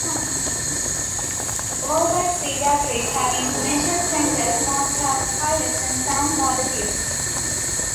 All but Cedar Creek have information centres; most have toilets and some have barbecues.